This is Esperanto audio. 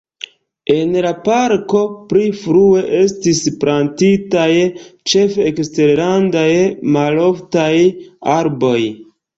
En la parko pli frue estis plantitaj ĉefe eksterlandaj maloftaj arboj.